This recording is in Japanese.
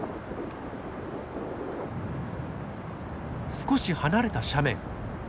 少し離れた斜面。